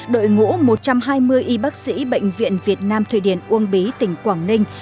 đội ngũ một trăm hai mươi y bác sĩ bệnh viện việt nam thùy điển uông bí tỉnh quảng ninh